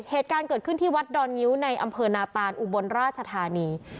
เหตุการณ์เกิดขึ้นที่วัดดอนงิ้วในอำเภอนาตานอุบลราชธานี